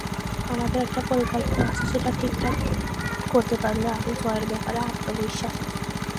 আমাদের একটা পরিকল্পনা আছে, সেটা ঠিকঠাক করতে পারলে আমি জয়ের ব্যাপারে আত্মবিশ্বাসী।